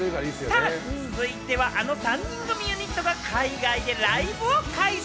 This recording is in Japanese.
続いては、あの３人組ユニットが海外でライブを開催。